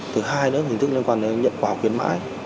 thứ hai nữa là hình thức liên quan đến nhận quà khuyến mãi